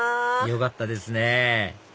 よかったですね